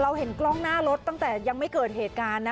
เห็นกล้องหน้ารถตั้งแต่ยังไม่เกิดเหตุการณ์นะ